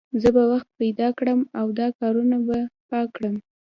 زه به وخت پیدا کړم او دا کارونه به پاک کړم